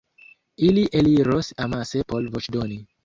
Ili eliros amase por voĉdoni.